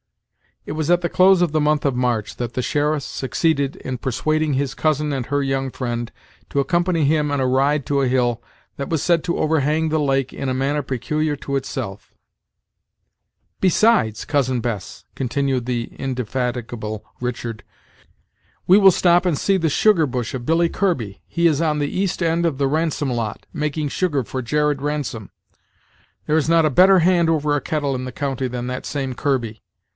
It was at the close of the month of March, that the sheriff succeeded in persuading his cousin and her young friend to accompany him in a ride to a hill that was said to overhang the lake in a manner peculiar to itself. "Besides, Cousin Bess," continued the indefatigable Richard, "we will stop and see the 'sugar bush' of Billy Kirby; he is on the east end of the Ransom lot, making sugar for Jared Ransom. There is not a better hand over a kettle in the county than that same Kirby.